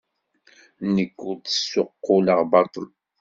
Nekk ur d-ssuqquleɣ baṭel.